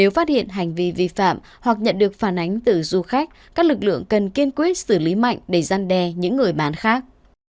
nếu phát hiện hành vi vi phạm hoặc nhận được phản ánh từ du khách các lực lượng cần kiên quyết xử lý mạnh để gian đe những người bán khác